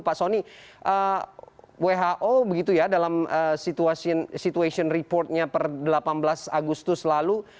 pak soni who begitu ya dalam situation reportnya per delapan belas agustus lalu